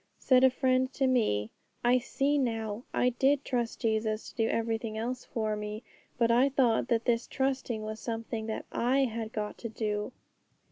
Said a friend to me, 'I see now! I did trust Jesus to do everything else for me, but I thought that this trusting was something that I had got to do.'